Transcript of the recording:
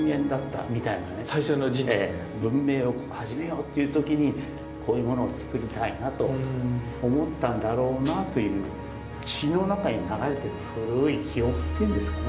文明を始めようという時にこういうものを作りたいなと思ったんだろうなという血の中に流れてる古い記憶っていうんですかね